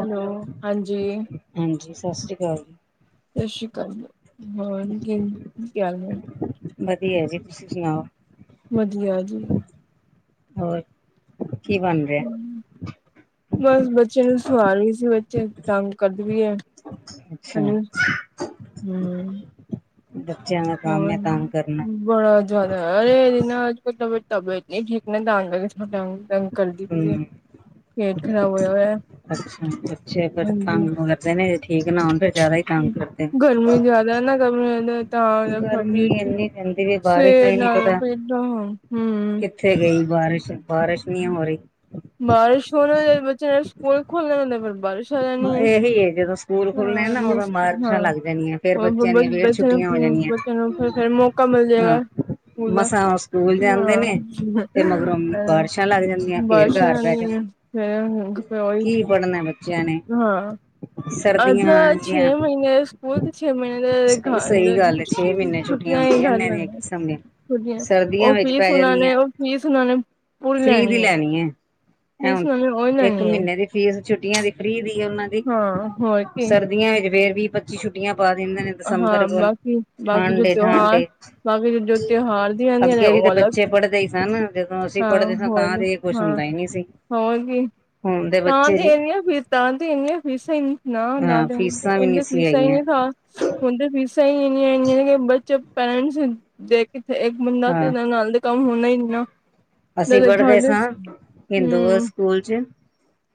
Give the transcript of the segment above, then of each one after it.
Hello, ਹਾਂਜੀ ਸਸ ਰੀ ਅਕਾਲ। ਸਤਿ ਸ਼੍ਰੀ ਅਕਾਲ, ਹੋਰ ਕੀ ਹਾਲ ਨੇ। ਵਧੀਆ ਜੀ, ਤੁਸੀ ਸਣਾਓ? ਵਧੀਆ ਜੀ। ਹੋਰ ਕੀ ਬਣ ਰਿਹਾ? ਬਸ ਬੱਚੇ ਨੂੰ ਸਵਾ ਰਹੀ ਸੀ ਬੱਚੇ ਤੰਗ ਕਰਦੀ ਪਈ ਏ- ਅੱਛਾ। ਹੂੰ। ਬੱਚਿਆਂ ਦਾ ਕੰਮ ਹੋਰ ਹੈ ਤੰਗ ਕਰਨਾ। ਬੜਾ ਜਿਆਦਾ ਏ - ਨਾ ਅੱਜ ਕੱਲ ਤਬੀ ਤਬੀਅਤ ਨੀ ਠੀਕ ਨਾ ਤਾ ਕਰਕੇ ਥੜਾ ਤੰ ਤੰਗ ਕਰਦੀ ਪਈ ਏ- ਪੇਟ ਖਰਾਬ ਹੋਇਆ ਹੋਯਾ- ਅੱਛੇ ਬੱਚੇ, ਫੇਰ ਤੰਗ ਜਰੂਰ ਕਰਦੇ ਨੇ। ਠੀਕ ਨਾ ਹੋਣ ਫੇਰ, ਜਿਆਦਾ ਈ ਤੰਗ ਕਰਦੇ ਨੇ, ਗਰਮੀ ਜ਼ਿਆਦਾ ਨਾ ਗਰਮੀ ਤਾਂ ਫੇਰ ਗਰਮੀ ਪੇਟ ਏਨੀ ਹੈ। ਹਜੇ ਵੀ ਬਾਰਿਸ਼, ਦਾ ਸਵੇਰ ਈ ਨਈ ਨਾਲ ਪਤਾ ਪੇਟ ਹਮ ਕਿੱਥੇ ਗਈ? ਬਾਰਿਸ਼ ਬਾਰਿਸ਼ ਨੀ ਨਈ ਹੋ ਰਹੀ। ਬਾਰਿਸ਼, ਹੁਣ ਬੱਚਿਆਂ ਦੇ ਸਕੂਲ ਖੁਲਣੇ ਨੇ ਫਿਰ ਤੇ ਬਾਰਿਸ਼। ਨੀ ਐ ਇਹੀ ਹੈ ਜਦੋਂ ਸਕੂਲ ਖੁੱਲਣੇ ਹਾ ਨਾ ਨੀ ਏ ਉਦੋਂ ਬਾਰਿਸ਼ਾਂ ਹਾਂ ਲੱਗ ਜਾਣੀਆਂ ਫੇਰ ਬੱਚਿਆਂ ਦੀਆਂ ਫੇਰ ਬੱਚਿਆ [inaudible] ਛੁੱਟੀਆਂ ਹੋ ਜਾਣੀਆਂ। ਬੱਚਿਆ ਨੂੰ, ਫਿਰ ਫੇਰ ਮੌਕਾ ਮਿਲ ਜਾਏਗਾ। ਹਾਂ ਲ ਹਾਂ ਮਸਾਂ ਸਕੂਲ ਜਾਂਦੇ ਨੇ ਹੁੰਮ ਤੇ ਮਗਰੋਂ ਬਾਰਿਸ਼ਾਂ ਲੱਗ ਜਾਂਦੀਆਂ ਫੇਰ [inaudible] ਚ ਘਰ ਬਹਿ ਜਾਓ ਫ ਉਹੀ [inaudible] [inaudible] ਕੀ ਪੜ੍ਹਨਾ ਬੱਚਿਆਂ ਨੇ ਹਾਂ, ਸਰਦੀਆਂ ਅੱਧਾ ਆਣਗੀਆਂ ਛੇ ਮਹੀਨਿਆਂ, ਦੇ ਸਕੂਲ ਚ ਛੇ ਮਹੀਨੇ ਸਹੀ ਗੱਲ ਛੇ ਮਹੀਨੇ ਛੁੱਟੀਆਂ ਈ ਹੁੰਦੀਆਂ ਕਰ ਨੇ ਦੀਆਂ ਕਿਸਮ ਦੀਆਂ ਲੈਂਦੇ [inaudible] ਸਰਦੀਆਂ ਉਹ ਵਿੱਚ ਫੀਸ ਪੈ ਉਹਨਾ ਜਾਂਦੀਆਂ ਨੇ, ਉਹ ਫੀਸ ਉਹਨਾ ਨੇ, ਪੂਰੀ ਫ੍ਰਰੀ ਦੀ ਲੈਣੀ ਐ ਹੈ ਫੀਸ, ਓਹਨਾ ਨੇ ਓਹੀ, ਲੈਨੀ ਐ ਛੁੱਟੀਆ, ਦੀ ਫਰੀ ਦੀ ਹੋਰ ਕੀ ਹਾਂ ਦਸੰਬਰ, ਕੋਲ ਬਾਕੀ ਬਾਕੀ ਜੋ ਠੰਡ ਏ ਠੰਡ ਤਿਉਹਾਰ ਏ। ਬਾਕੀ ਜੋ ਤਿਉਹਾਰ ਦੀਆਂ ਰਹਿੰਦੀਆਂ ਨੇ ਅੱਗੇ ਵੀ ਉਹ ਤੇ ਅਲੱਗ ਬੱਚੇ ਪੜ੍ਹਦੇ ਈ ਸਨ, ਜਦੋ ਅਸੀ ਹਾਂ ਪੜ੍ਹਦੇ ਸਾ ਤਾ ਹੋਰ ਇਹ ਕੁਛ ਹਾਂ ਹੁੰਦਾ। ਐ, ਨਈ ਸੀ। ਹੋਰ ਕੀ ਹੁਣ ਦੇ ਤਾਂ ਬੱਚੇ ਤੇ ਜ ਏਨੀਆ ਫੀਸਾ ਏਨਿਆ ਫੀਸਾ ਈ ਨੀ ਨਾ ਨਾ ਹਾਂ ਫੀਸਾਂ ਵੀ ਨਹੀਂ ਸੀ ਫੀਸਾ ਈ ਹੈਗੀਆਂ ਨੀ ਹੁਣ ਤੇ ਫੀਸਾ ਈ ਇਨੀਆ-ਇਨੀਆ ਨੇ ਬੱਚੇ ਪੇਰੈਂਟਸ ਦੇ ਜ ਕੀਤੇ ਇੱਕ ਬੰਦਾ ਤੇ ਹਾਂ ਨਾਲ ਦੇ- ਕੰਮ ਹੋਣਾ ਈ ਨੀ ਨਾ ਅਸੀਂ ਮੇਰੇ ਪੜ੍ਹਦੇ ਖਿਆਲ ਸਾਂ ਛ ਹਿੰਦੂ ਹੂੰ ਸਕੂਲ ਚ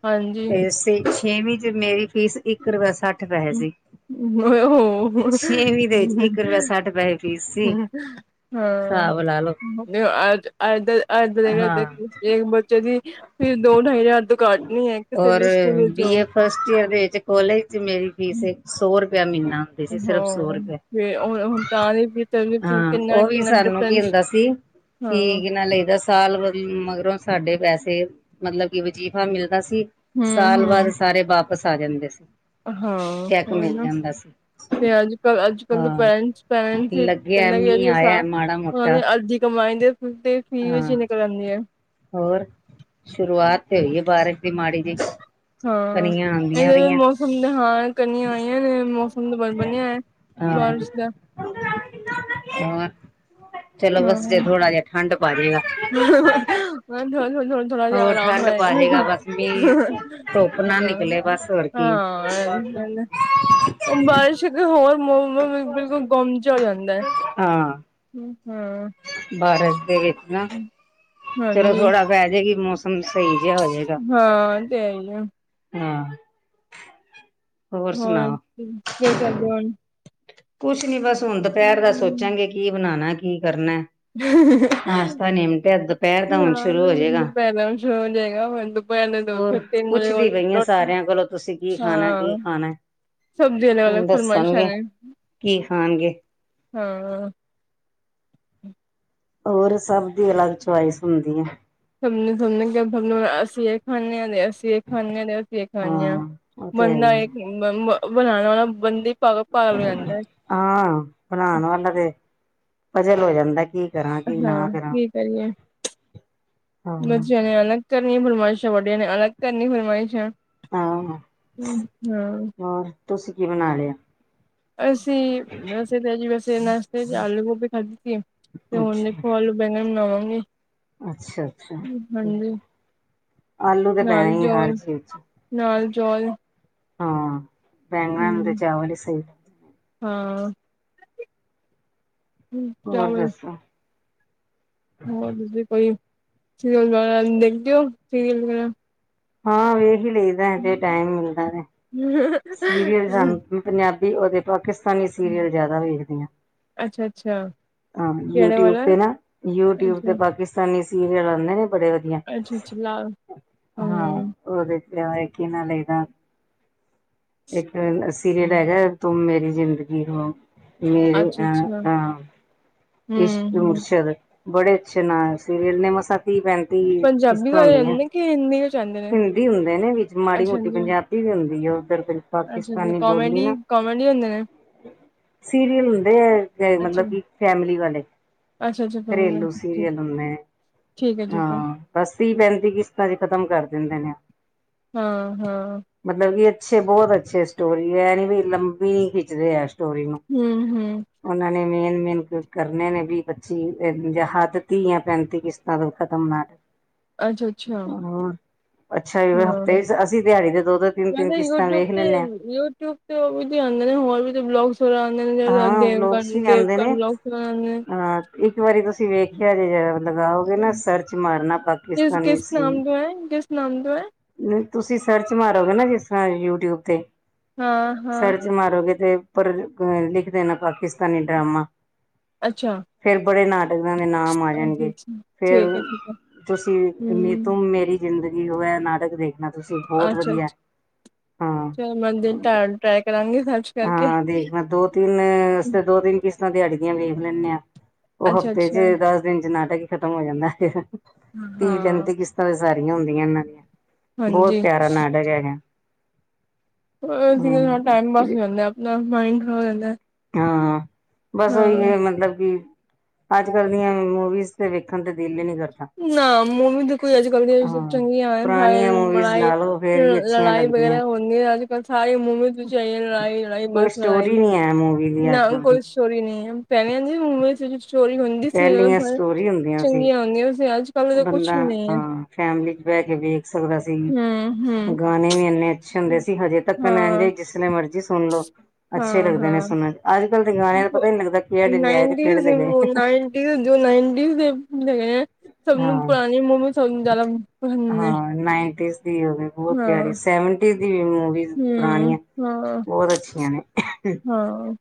ਹਾਂਜੀ ਤੇ ਛੇਵੀ ਚ ਮੇਰੀ ਫੀਸ ਇੱਕ ਰੁਪਇਆ ਸੱਠ ਪਹੈ ਸੀ ਉਹ ਹੋ ਛੇਵੀਂ ਦੇ ਵਿੱਚ ਇੱਕ ਰੁਪਇਆ ਸੱਠ ਪੈਸੇ ਫੀਸ ਸੀ ਹਾਂ। ਹਿਸਾਬ ਲਾ ਲਓ ਅ ਅ ਅੱਜ ਅੱਜ ਦੇ ਹਾਂ ਦੇਖਲੋ ਜ ਜੇ ਬੱਚੇ- ਦੀ ਫਿਰ ਦੋ ਢਾਈ ਹਜ਼ਾਰ ਤੋ ਘੱਟ ਨੀ ਹੈ ਕਿਸੇ ਔਰ ਵੀ ਸਕੂਲ ਵਿੱਚ ਬੀ ਜਾਓ ਏ ਫਸਟ ਈਅਰ ਦੇ ਵਿੱਚ ਕੋਲਜ ਚ ਮੇਰੀ ਫੀਸ ਇਕ ਸੌ ਰੁਪਇਆ ਮਹੀਨਾ ਸੀ ਸਿਰਫ ਸੌ ਹਾਂ ਰੁਪਏ ਫਿਰ ਹੁਣ ਤਾਂ ਨਹੀਂ ਵੀ ਤੈਨੂੰ ਕਿੰਨ- ਹਾਂ ਕਿੰਨਾ ਉਹ ਵੀ ਕਿੰਨਾ ਸਾਨੂੰ ਕੀ ਡਿਫਰੈਂਸ ਹੁੰਦਾ ਸੀ। ਕਿ ਹਾਂ ਏਨਾ ਲਈਦਾ ਸਾਲ ਮਗਰੋ ਸਾਡੇ ਪੈਸੇ ਮਤਲਬ ਕਿ ਵਜੀਫਾ ਮਿਲਦਾ- ਸੀ ਸਾਲ ਬਾਅਦ ਹੂੰ-ਹੂੰ ਸਾਰੇ ਵਾਪਿਸ ਆ ਜਾਂਦੇ ਸੀ। ਹਾਂ ਫੇ ਚੈੱਕ ਓਹੀ ਮਿਲ ਨਾ ਜਾਂਦਾ ਸੀ ਫੇ ਫੇਰ ਅੱਜ ਕੱਲ ਅੱਜ ਕੱਲ ਹਾਂ ਬੈਂਕ ਬਲਾਂਸ ਈ- ਲੱਗਿਆ ਮੀਂਹ ਕਹਿੰਦਾ ਸਾਹ ਆਇਆ ਮਾੜਾ ਉਹ ਮੋਟਾ ਨੇ ਅੱਜ ਹੀ ਕਮਾਈ ਦੇ- ਤੇ ਫੀ ਵਿੱਚ ਹਾਂ ਹੀ ਨਿਕਲ ਆਂਦੀ ਹੈ ਹੋਰ ਸ਼ੁਰੂਆਤ- ਹੋਈਏ ਬਾਰਸ਼ ਦੀ ਮਾੜੀ ਜੀ। ਹਾਂ ਇਹਦੇ ਮੌਸਮ ਤੇ ਹਾਂ ਕਣੀਆ ਆਈਆ ਨੇ ਮੌਸਮ ਬ ਬਣਿਆ ਹੋਯਾ। ਹਾਂ [inaudible] [unintelligible] ਹੋਰ ਚਲੋ ਬਸ ਜੇ ਥੋੜਾ ਜਿਹਾ ਠੰਢ ਪਾਜੇਗਾ। ਥੋੜਾ-ਥੋੜਾ-ਥੋੜਾ-ਥੋੜਾ ਜਿਹਾ ਹੋਰ ਆਰਾਮ ਠੰਡ ਆਏ- ਪਾ ਜਾਏਗਾ ਬਸ ਮੀਂਹ ਧੁੱਪ ਨਾ ਹਾਂ ਨਿਕਲੇ ਬਸ ਹੋਰ ਕੀ ਹੈ [inaudible] ਉਹ ਬਾਰਿਸ਼ ਅੱਗੇ ਹੋਰ ਮੌਸਮ ਬਿਲਕੁਲ ਗੁੰਮ ਜਾ ਹੋ ਜਾਂਦਾ। ਹੂੰ। ਬਾਰਸ਼ ਦੇ ਵਿੱਚ ਨਾ ਚਲੋ ਹਾਂਜੀ ਥੋੜਾ ਪਹਿ ਜੇਗੀ ਮੌਸਮ ਸਹੀ- ਜਿਹਾ ਹੋ ਜਾਏਗਾ ਹਾਂ ਇਹ ਤੇ ਹੈ ਹੀ ਹੈ। ਹਾਂ- ਹੋਰ ਕੀ ਕਰਦੇ ਹੁਣ? ਕੁਛ ਨੀ ਬਸ ਹੁਣ ਦੁਪਹਿਰ ਦਾ ਸੋਚਾਂਗੇ ਕੀ ਬਣਾਉਣਾ ਕੀ ਕਰਨਾ। ਨਾਸ਼ਤਾ ਨਿਮਟਿਆ ਦੁਪਹਿਰ ਦਾ ਹੁਣ ਸ਼ੁਰੂ ਹੋ ਹਾਂ ਜਾਏਗਾ ਪਹਿਲਾਂ ਸ਼ੁਰੂ ਹੋ ਜਾਏਗਾ ਹੋਰ ਤਿੰਨ ਵਜੇ ਪੁੱਛਦੀ ਕੋਲ ਪਈ ਆ ਸਾਰਿਆਂ ਕੋਲੋਂ ਤੁਸੀਂ ਕੀ ਖਾਣਾ ਕੀ ਹਾਂ, ਖਾਣਾ ਸਬ ਦੀ ਅਲਗ-ਅਲਗ ਹੁਣ ਫਰਮਾਇਸ਼ਾ ਦੱਸਣਗੇ ਨੇ ਕੀ ਖਾਣਗੇ ਹਾਂ, ਹੋਰ ਸਭ ਦੀ ਅਲੱਗ ਚੁਆਇਸ ਹੁੰਦੀ ਐ। ਸਮਣੇ ਸਮਣੇ ਅਸੀਂ ਇਹ ਖਾਂਣੇ ਹਾਂ ਦੇ ਅਸੀਂ ਇਹ ਖਾਂਣੇ ਹਾ ਤੇ ਅਸੀਂ ਇਹ ਖਾਂਣੇ ਹਾਂ ਉਹ ਤੇ ਹੈ ਬੰਦਾ ਹੀ ਇਹ ਹੈ ਬਣਾਣਾ ਵਾਲਾ ਬੰਦੇ ਪਾਗ ਪਾਗਲ ਹੋ ਜਾਂਦਾ ਹੈ। ਹਾਂ ਬਣਾਣ ਵਾਲਾ ਤੇ ਪਜਲ ਹੋ ਜਾਂਦਾ ਕੀ- ਕਰਾਂ ਕੀ ਹਾਂ ਨਾ ਕਰਾਂ ਕੀ ਕਰੀਏ ਹਾਂ ਬਚਿਆਂ ਨੇ ਅਲਗ ਕਰ ਫੁਲਮਈਸ਼ ਵਡੇਆ ਨੇ ਅਲਗ ਕਰੀ ਫੁਰਮਾਇਸ਼ਾਂ ਹਾਂ ਹੋਰ ਤੁਸੀਂ ਕੀ ਬਣਾ ਲਿਆ? ਅਸੀਂ ਵੈਸੇ ਤਾਂ ਜੀ ਵੈਸੇਸਤੇ ਆਲੂ ਗੋਭੀ ਖਾਧੀ ਤੇ ਹੁਣ ਦੇਖੋ ਆਲੂ ਬੈਗਣ ਬਨਾਵਾਂਗੇ। ਅੱਛਾ-ਅੱਛਾ ਠੀਕ! ਆਲੂ ਤਾਂ ਪੈ ਹੀਈ ਆ ਹਰ ਚੀਜ਼ ਚ- ਚੋਲ ਹਾਂ ਬੈਗਣਾ ਨਾਲ ਤੇ ਚਾਵਲ ਹੀ ਸਹੀ। ਹਾਂ ਹਮ ਹੋਰ ਚਲ- ਦੱਸੋ? ਹੋਰ ਤੁ ਕੋਈ ਸੀਰੀਅਲ ਵਗੈਰਾ ਦੇਖਦੇ ਹੋ ਸੀਰੀਲ ਵਗੈਰਾ- ਹਾਂ ਵੀ ਲਈਦਾ ਜੇ ਟਾਈਮ ਮਿਲਦਾ ਹੈ। ਸੀਰੀਅਲ ਸਾਨ ਪੰਜਾਬੀ ਅਤੇ ਪਾਕਿਸਤਾਨੀ ਸੀਰੀਅਲ ਜ਼ਿਆਦਾ ਵੇਖਦੇ ਆਂ। ਅੱਛਾ-ਅੱਛਾ ਹਾਂ ਕਿਹੜੇ ਯੂਟਊਬ ਵਾਲਾ ਤੇ ਨਾ ਯੂਟਊਬ ਤੇ ਅੱਛਾ, ਪਾਕਿਸਤਾਨੀ ਸੀਰੀਅਲ ਆਦੇ ਨੇ, ਬੜੇ ਵਧੀਆ ਅੱਛਾ-ਅੱਛਾ ਲਾਲ ਹਾਂ ਹੂੰ, ਉਹਦੇ, ਕਿ ਨਾਲ ਇਹਦਾ ਇੱਕ ਸੀਰੀਅਲ ਹੈਗਾ ਤੂੰ ਮੇਰੀ, ਜ਼ਿੰਦਗੀ ਹੋ ਮੇਰੇ ਅਹ ਅੱਛਾ-ਅੱਛਾ ਅਹ ਇਸ ਹੂੰ-ਹੂੰ ਮੁਰਸਦ, ਬੜੇ ਅੱਛੇ ਨਾ ਸੀਰੀਅਲ ਨੇ ਮਸਾ ਤੀਹ ਪੈਤੀ, ਪੰਜਾਬੀ ਕਿਸ਼ਤਾਂ ਵਾਲੇ ਹੁੰਦੀਆਂ ਆਂਦੇ ਨੇ ਕਿ ਹਿੰਦੀ ਵਿੱਚ ਆਂਦੇ ਨੇ ਹਿੰਦੀ ਹੁੰਦੇ ਨੇ ਵਿੱਚ ਮਾੜੀ ਮੋਟੀ ਅੱਛਾ-ਅੱਛਾ, ਪੰਜਾਬੀ ਵੀ ਹੁੰਦੀ। ਹੈ ਉੱਧਰ ਅੱਛਾ-ਅੱਛਾ ਪਾਕਿਸਤਾਨੀ ਬੋਲੀ ਨਾ, ਕਾਮੇਡੀ-ਕਾਮੇਡੀ ਹੁੰਦੇ ਨੇ। ਸੀਰੀਅਲ ਹੁੰਦੇ ਆ ਅੱਛਾ, ਮਤਲਬ ਕਿ ਫੈਮਲੀ ਵਾਲੇ, ਅੱਛਾ-ਅੱਛਾ ਘਰੇਲੂ ਸੀਰੀਅਲ ਹਨੇ ਠੀਕ ਐ ਠੀਕ ਐ ਹਾਂ ਬਸ, ਤੀਹ ਪੈਂਤੀ ਕਿਸ਼ਤਾਂ ਚ ਖਤਮ ਕਰ ਦਿੰਦੇ ਨੇ, ਹਾਂ-ਹਾਂ, ਮਤਲਬ ਕਿ ਅੱਛੇ ਬਹੁਤ ਅੱਛੇ ਸਟੋਰੀ ਹੈ ਇਹ ਨੀ ਵੀ ਲੰਬੀ ਨੀ ਖਿੱਚਦੇ ਹੈ, ਸਟੋਰੀ ਨੂੰ ਹੂੰ-ਹੂੰ ਉਹਨਾਂ ਨੇ ਮੇਨ, ਨ ਕਰਨੇ ਨੇ ਵੀ ਪੱਚੀ ਜਾਂ ਹੱਦ ਤੀਹ ਜਾਂ ਪੈਂਤੀ ਕਿਸ਼ਤਾਂ ਤੋਂ ਖਤਮ ਨਾ, ਅੱਛਾ-ਅੱਛਾ ਹੂੰ ਅੱਛਾ ਹਾਂ ਹਫ਼ਤੇ ਅਸੀਂ ਦਿਹਾੜੀ ਦੇ ਦੋ ਦੋ ਤਿੰਨ-ਤਿੰਨ ਕਿਸ਼ਤ ਯੂਟੀਊਬ ਤੇ ਯੂਟੀਊਬ ਤੇਦ ਹੋਰ ਵੀ ਬਲੋਗਸ ਸੁਰਾਂਦੇ ਨੇ ਜ ਹਾਂ ਦੇਵ ਵਲੋਗਸ ਵੀ ਆਉਂਦੇ ਦੇਵਕ ਨੇ ਲੋਕ ਸੁਰਾਂਦੇ, ਅਹ ਇੱਕ ਵਾਰੀ ਤੁਸੀਂ ਵੇਖਿਆ ਜੇ ਲਗਾਓਗੇ ਨੇ। ਨਾ ਸਰਚ ਮਾਰਨਾ ਪਾਕਿਸਤਾਨੀ ਸਰੀ, ਕਿਸ ਨਾਮ ਤੋਂ ਹੈ? ਤੁਸੀਂ ਸਰਚ ਮਾਰੋਗੇ ਨਾ ਜਿਸ ਤਰ੍ਹਾਂ ਯੂਟਿਊਬ ਤੇ, ਹਾਂ-ਹਾਂ, ਪਰ ਅ ਲਿਖਦੇ ਨੇ ਪਾਕਿਸਤਾਨੀ ਡਰਾਮਾ, ਫੇਰ ਬੜੇ ਨਾਟਕ ਦੇ ਨਾਮ ਆ ਜਾਣਗੇ ਫੇਰ, ਤੁਸੀਂ ਤੂੰ ਮੇਰੀ ਜ਼ਿੰਦਗੀ ਹੋ ਹੈ ਨਾਟਕ ਦੇਖਣਾ ਤੁਸੀਂ ਬਹੁਤ ਵਧੀਆ ਐ, ਚਲੋ ਮਰਜੀ ਟਰ ਕਰਾਈ ਕਰਾਂਗੀ ਫੇਰ। ਹਾਂ ਦੇਖਣਾ ਦੋ ਤਿੰਨ ਅ ਦੋ ਤਿੰਨ ਕਿਸ਼ਤਾਂ ਦਿਹਾੜੀ ਦੀਆਂ ਵੇਖ ਲੈਂਦੇ ਆ। ਉਹ ਹਫ਼ਤੇ 'ਚ ਦਸ ਦਿਨ 'ਚ ਨਾਟਕ ਖਤਮ ਹੋ ਜਾਂਦਾ ਹੈ, ਧੀ ਕਹਿੰਦੇ ਕਿਸ ਤਰ੍ਹਾਂ ਸੀ। ਸਾਰੀਆਂ ਹੁੰਦੀਆਂ ਹਨ, ਬਹੁਤ ਪਿਆਰਾ ਨਾਟਕ ਹੈਗਾ। ਚਲੋ ਵਧੀਆ ਹੂੰ ਟਾਈਮ ਪਾਸ ਹੋ ਜਾਂਦਾ ਆਪਣਾ ਮਾਈਡ ਉਹ ਹੋ ਜਾਂਦਾ। ਹਾਂ ਬਸ ਉਹੀ ਹਾਂ ਹੈ ਮਤਲਬ ਕਿ ਅੱਜ -ਕੱਲ ਦੀਆਂ ਮੂਵੀਜ਼ ਤੇ ਵੇਖਣ ਤੇ ਦਿਲ ਹੀ ਨਹੀਂ ਕਰਦਾ ‌। ਨਾ ਮੂਵੀ ਤਾਂ ਕੋਈ ਅੱਜ ਕੱਲ ਦੀ ਹਾਂ ਚੰਗੀਆਂ ਆ ਸਾਰੇ ਪੁਰਾਣੀਆਂ ਮੂਵੀਜ਼ ਲੜਾਈ ਲਾ ਲਓ। ਫੇਰ ਵੀ ਅੱਛੀਆਂ ਲੜਾਈ ਲੱਗਦੀਆਂ। ਵਗੈਰਾ ਹੁੰਦੀ ਹੈ ਅੱਜ ਕੱਲ ਸਾਰੀ ਮੂਵੀਜ਼ 'ਚ ਲੜਾਈ-ਲੜਾਈ ਕੋਈ ਬਸ ਲੜਾਈ ਸਟੋਰੀ ਨਹੀਂ ਹੈ ਮੂਵੀ ਦੀ ਅੱਜ ਨਾ ਕੱਲ੍ਹ ਦੀ ਕੋਈ ਸਟੋਰੀ ਨਹੀਂ ਹੈ। ਪੈਣੇ ਆ ਜੀ ਮੂਵੀਜ਼ ਦੇ ਵਿੱਚ। ਸਟੋਰੀ ਹੁੰਦੀ ਪਹਿਲੀਆਂ ਸੀ ਸਟੋਰੀ ਹੁੰਦੀਆਂ ਸੀ। ਚੰਗੀਆਂ ਹੁੰਦੀਆਂ ਵੈਸੇ ਅੱਜ ਕੱਲ ਤਾਂ ਕੁਛ ਬੰਦਾ ਵੀ ਨਹੀਂ ਹੈ। ਹਾਂ ਫੈਮਲੀ ਚ ਬਹਿ ਕੇ ਵੇਖ ਸਕਦਾ ਸੀ, ਹੂੰ-ਹੂੰ। ਗਾਣੇ ਵੀ ਇੰਨੇ ਅੱਛੇ ਹੁੰਦੇ ਸੀ ਹਜੇ ਤੱਕ ਹਾਂ, ਜਿਸਨੇ ਮਰਜ਼ੀ ਸੁਣਲੋ ਅੱਛੇ ਲੱਗਦੇ ਨੇ ਸੁਣਨ। ਅੱਜ ਕੱਲ੍ਹ ਦੇ ਗਾਣਿਆਂ ਦਾ ਪਤਾ ਹੀ ਨਹੀਂ ਲੱਗਦਾ ਕਿਹੜੇ ਦੇ ਆਏ ਤੇ ਨਾਈਨਟੀ ਕਿਹੜੇ ਸੀ ਦੇ ਗਏ। ਮੂਵੀਜ਼ ਨਾਈਨ ਜੋ ਨਾਈਟੀ ਦੇਗੇ ਆ ਸਭ ਨੂੰ ਹਾਂ ਪੁਰਾਣੀ ਮੰਮੀਸ ਨੂੰ ਜ਼ਿਆਦਾ ਪਸੰਦ ਨੇ ਹਾਂ ਨਾਈਥ ਇਸ ਦੀ ਉਦੋਂ ਵੀ ਬਹੁਤ ਹਾਂ। ਪਿਆਰੀ ਸੈਵਨ। ਦੀ ਮੂਵੀਜ਼ ਹੂੰ। ਪੁਰਾਣੀਆਂ ਬਹੁਤ ਅੱਛੀਆਂ ਨੇ। ਹਾਂ।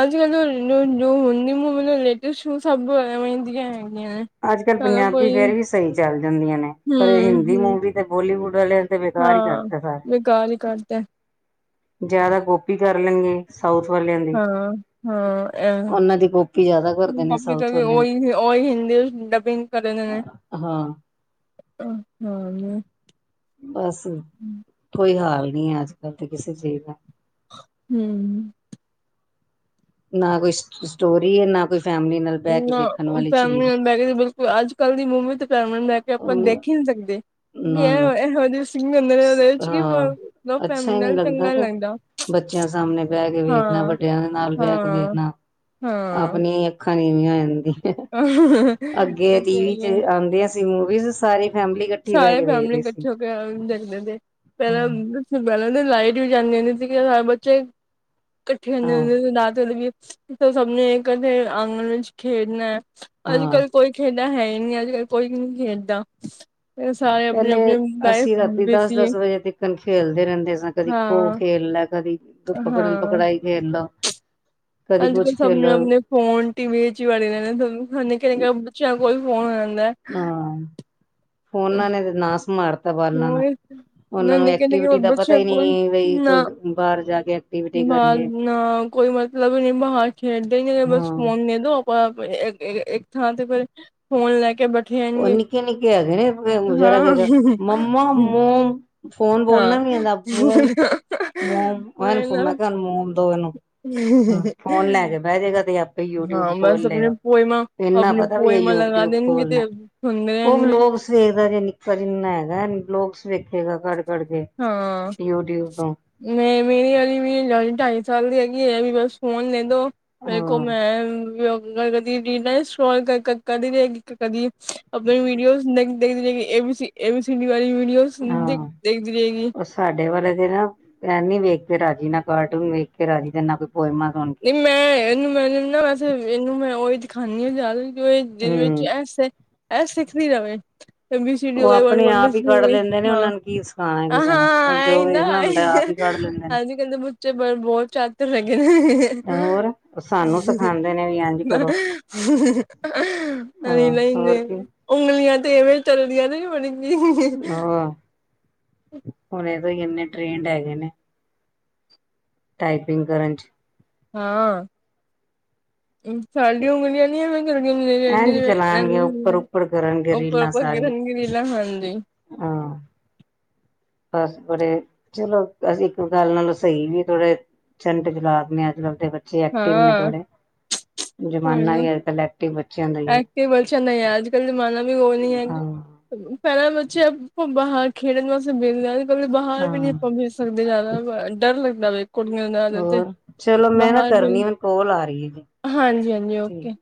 ਅੱਜ-ਕੱਲ ਜੋ ਜੋ ਹੁੰਦੀ ਮੂਵੀਜ਼ ਰੈਲਟਸਟ ਸਭ ਇਵੇਂ ਦੀਆਂ ਹੈ। ਅੱਜ-ਕੱਲ ਪੰਜਾਬੀ ਫੇਰ ਵੀ ਸਹੀ ਚੱਲ ਜਾਂਦੀਆਂ ਨੇ ਪਰ ਹਿੰਦੀ ਹੂੰ-ਹੂੰ ਮੂਵੀ ਤੇ ਬੋਲੀਵੁੱਡ। ਵਾਲੀਆਂ ਤੇ ਬੇਕਾਰ ਹੀ ਹਾਂ ਕਰਤੇ ਸਾਰੇ। ਬੇਕਾਰ ਹੀ ਕਰਤਾ ਜਿਆਦਾ ਕੌਪੀ ਕਰ ਲੈਂਗੇ। ਸਾਊਥ ਵਾਲਿਆਂ ਦੀ ਹਾਂ-ਹਾਂ ਐ ਉਹਨਾਂ ਦੀ ਕੋਪੀ ਜਿਆਦਾ ਕਰਦੇ ਨੇ, ਕਾਪੀ ਸਾਊਥ ਕਰਕੇ ਵਾਲਿਆਂ ਦੀ। ਉਹੀ-ਉਹੀ ਹਿੰਦੀ ਡਬਿੰਗ ਕਰਨ ਹਾਂ ਹੂੰ, ਹੂੰ। ਬਸ ਕੋਈ ਹਾਲ ਨਹੀਂ ਹੈ, ਅੱਜ- ਕੱਲ ਤੇ ਕਿਸੇ ਚੀਜ਼ ਦਾ। ਹੂੰ। ਨਾ ਕੋਈ ਸਟੋਰੀ ਹੈ ਨਾ ਕੋਈ ਫੈਮਿਲੀ ਨਾਲ ਬਹਿ ਕੇ ਨਾ ਵੇਖਣ ਉਹ ਵਾਲੀ ਚੀਜ਼ ਫੈਮਲੀਆਂ ਚ ਬੈਠ ਕੇ ਤਾਂ ਬਿਲਕੁਲ ਅੱਜ ਕੱਲ ਦੀ ਮੂਵੀ ਮੰਮੀ ਤੇ ਫੈਮਲੀ ਨੂੰ ਲੈ ਕੇ ਆਪਾਂ ਹੈ ਦੇਖ ਹੀ ਨਹੀਂ ਸਕਦੇ, ਕਿਉਂਕਿ ਨਾ ਨਾ ਇਹ ਇਹੋ ਜਿਹੇ ਸੀਨ ਹੁੰਦੇ ਨੇ ਉਹਦੇ ਵਿੱਚ ਕਿ ਹਾਂ ਫੈਮਲੀ ਅੱਛਾ ਨਹੀਂ ਨਾਲ ਲੱਗਦਾ ਚੰਗਾ ਨੀ ਫੇਰ। ਬੱਚਿਆਂ ਸਾਹਮਣੇ ਬਹਿ ਕੇ ਵੇਖਣਾ ਹਾਂ ਵੱਡਿਆਂ ਦੇ ਨਾਲ ਬਹਿ ਕੇ ਹਾਂ ਵੇਖਣਾ ਹਾਂ ਆਪਣੀ ਇਕ ਅੱਖਾਂ ਨੀਵੀਆਂ ਹੋ ਜਾਂਦੀਆਂ ਹੈ, ਬਿਲਕੁਲ ਅੱਗੇ ਇਹ ਹੈ ਟੀਵੀ ਈ ਐ। ਤੇ ਆਂਦੀਆ ਸੀਂ ਮੂਵੀਜ਼ ਸਾਰੇ। ਫੈਮਲੀ ਇਕੱਠੀ ਬਹਿ ਕੇ ਵੇਖਦੇ ਸੀ। ਫਿਲਮ ਦੇਖ ਦੇ ਹੁੰਦੇ ਸੀ ਪਹਿਲਾਂ ਹਾਂ -ਪਹਿਲਾਂ ਤਾਂ ਲਾਈਟ ਵੀ ਜਾਂਦੀ ਹੁੰਦੀ ਸੀ, ਸਾਰੇ ਬੱਚੇ ਇਕੱਠੇ ਹੁੰਦੇ -ਹੁੰਦੇ ਸੀ ਰਾਤ ਨੂੰ ਵੀ ਫੇਰ ਸਭ ਨੇ ਇੱਕਠੇ ਆਂਗਣ ਵਿੱਚ ਖੇਡਣਾ। ਅੱਜ ਹਾਂ -ਕੱਲ ਕੋਈ ਖੇਡਦਾ ਹੈ ਹੀ ਨਹੀਂ ਅੱਜ -ਕੱਲ ਕੋਈ ਨਹੀਂ ਖੇਡਦਾ। ਸਾਰੇ ਆਪਣੇ ਪਹਿਲੇ ਆਪਣੇ ਲਾਈਫ ਅਸੀਂ ਰਾਤੀ ਦਸ- ਬਿਜ਼ੀ ਦਸ ਵਜੇ ਤਿਕਣ ਖੇਲਦੇ ਰਹਿੰਦੇ ਸਾਂ, ਕਦੀ ਖੋ ਹਾਂ ਖੇਲ ਲੈ ਕਦੀ ਤੂੰ ਪਕੜਨ ਹਾਂ ਪਕੜਾਈ ਖੇਲ ਲਾ। ਅੱਜ -ਕੱਲ੍ਹ ਸਭ ਆਪਣੇ ਆਪਣੇ ਫੋਨ ਟੀ ਵੀ ਚ ਹੀ ਵੜੇ ਰਹਿੰਦੇ ਨੇ ਫੇਰ ਨਿੱਕੇ -ਨਿੱਕੇ ਬੱਚੇ ਉਹ ਕੋਈ ਫੋਨ ਹਾਂ ਫੋਨਾਂ ਨੇ ਤੇ ਨਾਸ ਮਾਰ ਹੋ ਇਹ ਨਾ ਨਿੱਕੇ -ਨਿੱਕੇ ਦਾ ਪਤਾ ਬੱਚੇ ਹੀ ਕੋਈ ਨਹੀਂ ਬਈ ਨਾ ਕੋਈ ਬਾਹਰ ਜਾ ਕੇ ਐਕਟੀਵਿਟੀ ਬ ਕਰੀਏ ਨਾ ਕੋਈ। ਕੋਈ ਮਤਲਬ ਨਹੀਂ ਬਾਹਰ ਖੇਡਦੇ ਨਹੀਂ ਤੇ ਹਾਂ ਬਸ ਫੋਨ ਦੇ ਦੋ। ਆਪਾਂ ਫੇਰ ਇੱਕ ਥਾਂ ਤੇ ਫਿਰ ਫੋਨ ਲੈ ਕੇ ਬੈ ਉਹ ਨਿੱਕੇ- ਨਿੱਕੇ ਹੈਗੇ ਨੇ ਜਰਾ ਹਾਂ, -ਜਰਾ ਮੰਮਾ ਮੋਮ ਫੋਨ ਹਾਂ। ਬੋਲਣਾ ਨਹੀਂ ਆਂਦਾ ਮੋਮ ਮੋਮ ਮੈਂ ਕਿਹਾ ਫੋਨ ਦਿਓ ਇਹਨੂੰ ਹਾਂ ਫੋਨ ਲੈ ਕੇ ਬਹਿਜੇਗਾ। ਯੂਟਿਊਬ ਖੋਲ ਲਿਆ ਇੰਨਾ ਪਤਾ ਵੀ ਇਹ ਯੂਟਿਊਬ ਖੋਲਣਾ। ਤੇ ਸੁਣਦੇ ਉਹ ਵੀ ਰਹਿਣਗੇ। ਲੋਕ ਸਵੇਰ ਦਾ ਜੇ ਨਿੱਕਾ ਜਿੰਨਾ ਹੈਗਾ, ਲੋਕ ਸਵੇਰ ਗਿਆ ਘਰ ਕੇ ਹਾਂ ਯੂਟਿਊਬ ਤੋਂ ਮੈਂ ਮੇਰੀ ਵਾਲੀ ਆਈ ਢਾਈ ਚੱਲਦੀ ਹੈਗੀ ਐ ਬਸ ਫੋਨ ਲੈ ਦੋ ਮੇਰੇ ਕੋ ਹਾਂ ਮੈਂ ਕਦੀ ਕਦੀ ਰਹੀਗੀ ਕਦੀ ਆਪਣੇ ਵੀਡੀਓ ਦੇਖਦੀ ਰਹੇਗੀ [inaudible] ਇਹ ਵੀ ਸ਼ਨੀਵਾਰ ਵੀਡੀਓਜ਼ ਦੇਖ ਹਾਂ ਉਹ ਸਾਡੇ ਵਾਲੇ ਦੇ ਨਾ, ਏਹ ਨੀ ਵੇਖ ਕੇ ਰਾਜੀ, ਨਾ ਕਾਰਟੂਨ ਵੇਖ ਕੇ ਰਾਜੀ, ਤੇ ਨਾ ਕੋ ਨਹੀਂ ਮੈਂ ਇਹਨੂੰ ਮੈਂ ਨਾ ਵੈਸੇ ਇਹਨੂੰ ਮੈਂ ਉਹੀ ਦਿਖਾਣੀ ਹਾਂ ਜਿਆਦ [unintelligible] ਜਿਦੇ ਵਿੱਚ ਹੂੰ ਐਸ ਏ, ਐ ਸਿੱਖਦੀ ਰਵੇ। ਐ ਬੀ ਸੀ ਡੀ ਉਹ ਹੋ ਗਈ, ਵਨ ਆਪਣੇ ਵਨ ਟੂ ਆਪ ਹੀ ਥ੍ਰੀ ਹੋ ਕੱਢ ਗਈ, ਲੈਂਦੇ ਨੇ ਹਾਂ, ਉਹਨਾਂ ਨੂੰ ਕੀ ਸਿਖਾਣਾ ਕਿਸੇ ਨੇ ਹਾਂ ਜੋ ਏਹੀ ਨਾ ਵੇਖਣਾ ਹੁੰਦਾ ਏਹੀ ਆਪ ਹੀ ਕੱਢ ਲੈਂਦੇ ਨੇ ਅੱਜ- ਕੱਲ੍ਹ ਦੇ ਬੱਚੇ ਬਹੁਤ ਚਾਤਰ ਹੈਗੇ ਨੇ। [inaudible] ਹੋਰ ਸਾਨੂੰ ਸਿਖਾਂਦੇ ਨੇ ਵੀ ਇੰਝ ਕਰੋ ਹਾਂ ਹੋਰ ਕੀ ਉਂਗਲੀਆਂ ਤੇ ਇਵੇਂ ਚੱਲਦੀਆਂ ਤੇ ਨੀ ਬਣਗੇ। ਹੁਣ ਤੋਂ ਕਿੰਨੇ ਟਰੇੇਂਡ ਹੈਗੇ ਨੇ। ਟਾਈਪਿੰਗ ਕਰਨ ਚ। ਹਾਂ ਸਾਡੀਆਂ ਉਗਲੀਆਂ ਇੰਝ ਚਲਾਣਗੇ ਉੱਪਰ ਉੱਪਰ ਕਰਨਗੇ [inaudible] ਅ ਹਾਂ [unintelligible] ਬਸ ਬੜੇ ਚਲੋ ਇੱਕ ਗੱਲ ਨਾਲੋਂ ਸਹੀ ਵੀ ਥੋੜੇ ਚੈਂਟ ਚਾਲਕ ਨੇ ਅੱਜ-ਕੱਲ੍ਹ। ਬੱਚੇ ਐਕਟਿਵ ਨੇ ਹਾਂ। ਥੋੜੇ ਹੋਰ ਜਮਾਨਾ ਨਾ ਵੀ ਅੱਜ- ਕੱਲ ਐਕਟਿਵ ਬੱਚਿਆਂ ਦਾ ਹੀ ਹੈ ਐਕਟਿਵ ਕੁੱਛ ਨਹੀਂ ਹੈ ਅੱਜ ਕੱਲ ਜ਼ਮਾਨਾ ਵੀ ਉਹ ਨੀ ਹੈ ਹਾਂ ਪਹਿਲਾਂ ਵਾਲਾ। ਆਪਾਂ ਬਾਹਰ ਖੇਡਣ ਵਾਸਤੇ ਵੇਖਦੇ ਹਾਂ ਬਾਹਰ ਵੀ ਨਹੀਂ ਹਾਂ ਆਪਾਂ ਵੇਖ ਸਕਦੇ ਜ਼ਿਆਦਾ ਡਰ ਲੱਗਦਾ। ਵੇ ਕੁੜੀਆਂ ਦਾ ਤੇ ਹੋਰ ਚਲੋ ਮੈਂ ਨਾ ਬਾਹਰ ਵੀ ਕਰਨੀ ਮੈਨੂੰ ਕੋਲ ਆ ਰਹੀ ਹੈ ਜੀ ਹਾਂਜੀ-ਹਾਂਜੀ, ਠੀਕ ਓਕੇ।